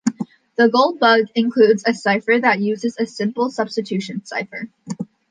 "The Gold-Bug" includes a cipher that uses a simple substitution cipher.